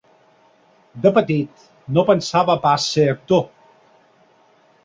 De petit no pensava pas ser actor.